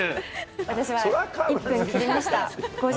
私は１分切りました。